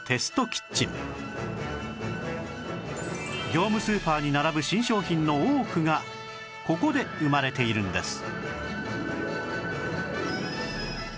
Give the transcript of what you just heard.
業務スーパーに並ぶ新商品の多くがここで生まれているんです